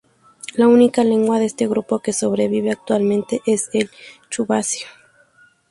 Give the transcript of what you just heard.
La única lengua de este grupo que sobrevive actualmente es el chuvasio.